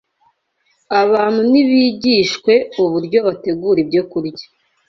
Abantu nibigishwe uburyo bategura ibyokurya